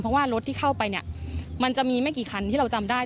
เพราะว่ารถที่เข้าไปเนี่ยมันจะมีไม่กี่คันที่เราจำได้